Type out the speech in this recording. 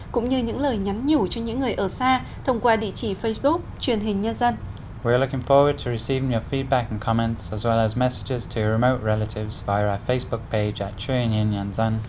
cũng như những lời nhắn nhủ cho những người ở xa thông qua địa chỉ facebook truyền hình nhân dân